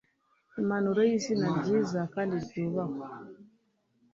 Impumuro yizina ryiza kandi ryubahwa